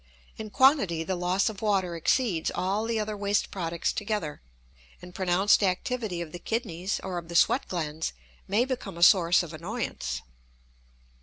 In quantity the loss of water exceeds all the other waste products together; and pronounced activity of the kidneys or of the sweat glands may become a source of annoyance.